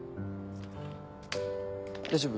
大丈夫？